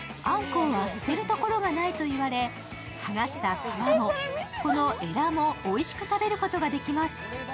あんこうは捨てるところがないと言われ、剥がした皮もこのエラもおいしく食べることができます。